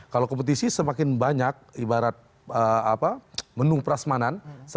kalau kompetisi semakin banyak ibarat menu perasmanan